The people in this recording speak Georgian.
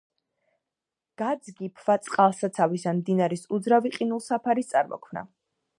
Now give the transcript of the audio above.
გაძგიფვა-წყალსაცავის ან მდინარის უძრავი ყინულსაფრის წარმოქმნა